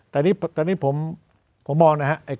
แต่ตอนนี้ผมมองนะครับ